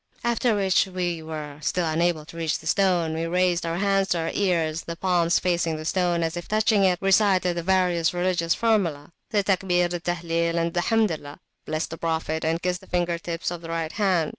After which, as we were still unable to reach the stone, we raised our hands to our ears, the palms facing the stone, as if touching it, recited the various religious formulae, the Takbir, the Tahlil, and the Hamdilah, blessed the Prophet, and kissed the finger tips of the right hand.